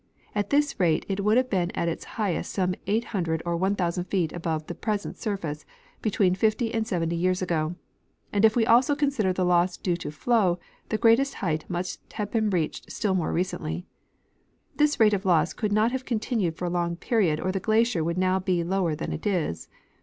At this rate it would have been at its hightest, some 800 or 1,000 feet above its present surface, between 50 and 70 years ago ; and if we also consider the loss due to flow, the greatest height must have been reached still more recentl3^ This rate of loss could not have continued for a longer period or the glacier would now be lower than it is.